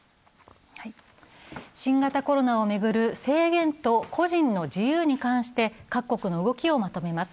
新型コロナを巡る制限と個人の自由に関して各国の動きをまとめます。